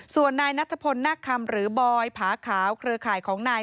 ส่วนนายนัทพลนักคำหรือบอยผาขาวเครือข่ายของนาย